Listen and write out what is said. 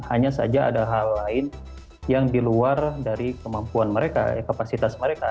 hanya saja ada hal lain yang di luar dari kemampuan mereka kapasitas mereka